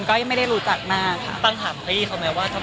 ตั้งถามพี่เขาแม้ว่าทำไมถึงตั้งใจแต่งได้แล้วก็ใช้เวลานานไหม